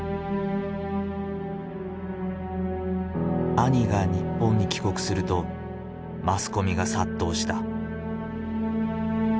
兄が日本に帰国するとマスコミが殺到した。